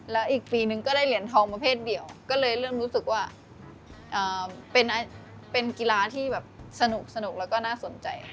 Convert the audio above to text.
แล้วอีกปีนึงก็ได้เหรียญทองประเภทเดียวก็เลยเริ่มรู้สึกว่าเป็นกีฬาที่แบบสนุกแล้วก็น่าสนใจ